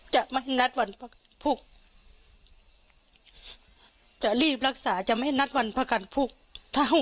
จะไม่นัดวันประกันภูมิจะรีบรักษาจะไม่นัดวันประกันภูมิ